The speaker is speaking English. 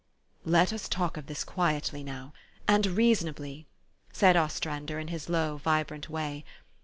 " Let us talk of this quietly now, and reasonably," said Ostrander in his low, vibrant way.